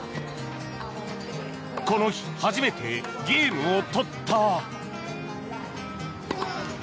この日初めてゲームを取った。